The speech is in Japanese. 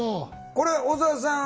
これ小沢さん